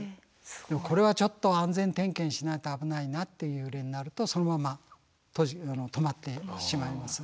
でもこれはちょっと安全点検しないと危ないなってなるとそのまま止まってしまいます。